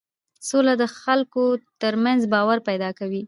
سوله د خلکو ترمنځ باور پیدا کوي